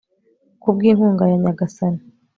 ku bw'inkunga ya nyagasani